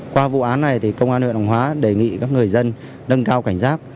qua vụ án này công an huyện hồng hóa đề nghị các người dân nâng cao cảnh giác